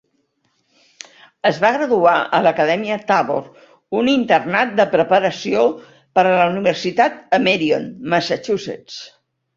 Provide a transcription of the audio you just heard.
Es va graduar a l'Acadèmia Tabor, un internat de preparació per a la universitat a Marion, Massachusetts.